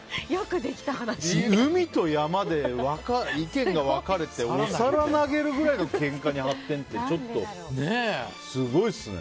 海と山で意見が分かれてお皿投げるくらいのけんかに発展ってちょっと、すごいですね。